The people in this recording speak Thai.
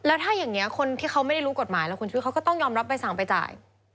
แล้วถ้าอย่างนี้คนที่เขาไม่ได้รู้กฎหมายแล้วคุณชุวิตเขาก็ต้องยอมรับใบสั่งไปจ่าย